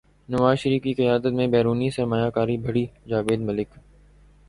نواز شریف کی قیادت میں بیرونی سرمایہ کاری بڑھی جاوید ملک